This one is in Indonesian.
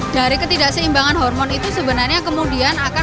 dari ketidakseimbangan hormon itu sebenarnya kemudian akan